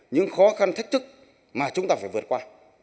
những khó khăn thách thức mà chúng ta phải vượt qua